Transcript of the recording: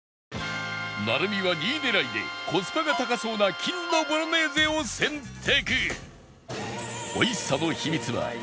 成海は２位狙いでコスパが高そうな金のボロネーゼを選択